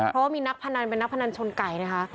เพราะว่ามีนักพนันเป็นนักพนันชนไก่นะคะ